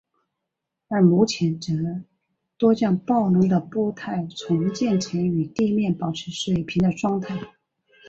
而目前则多将暴龙的步态重建成与地面保持水平的状态。